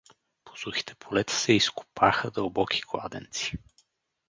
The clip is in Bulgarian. По сухите полета се изкопаха дълбоки кладенци.